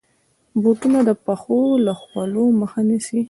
بوټونه د پښو د خولو مخه نیسي.